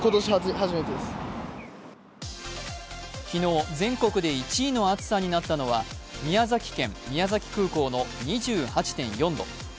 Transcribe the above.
昨日、全国で１位の暑さになったのは宮崎県・宮崎空港の２８．４度。